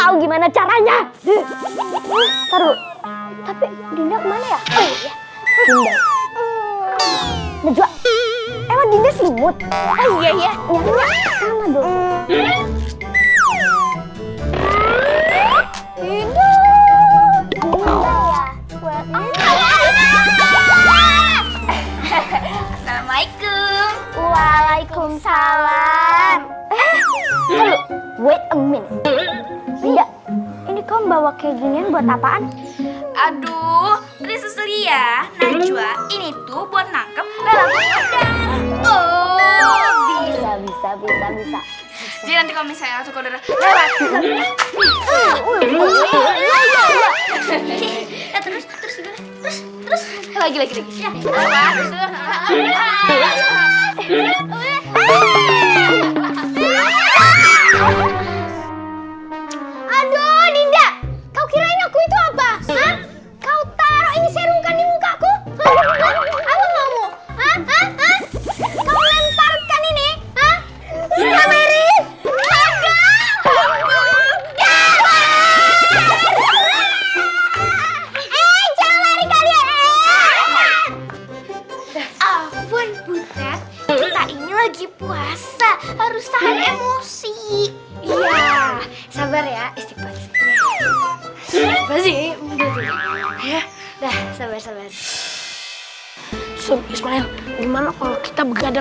oh jadi kalian nguping